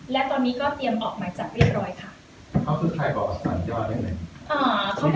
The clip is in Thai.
และตอนนี้ก็เตรียมออกมาจากเรียบร้อยค่ะเขาสุดท้ายบอกว่าสอนยอดยังไง